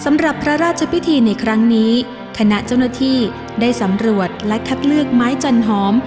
สำหรับพระราชพิธีในครั้งนี้คณะเจ้าหน้าที่ได้สำรวจและคัดเลือกไม้จันหอม